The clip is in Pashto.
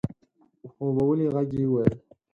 په خوبولي غږ يې وويل؛